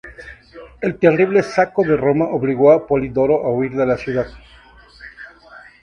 El terrible Saco de Roma obligó a Polidoro a huir de la ciudad.